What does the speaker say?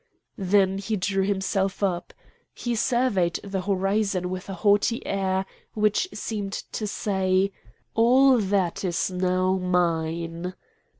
Then he drew himself up. He surveyed the horizon with a haughty air which seemed to say: "All that is now mine!"